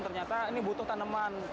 ternyata ini butuh tanaman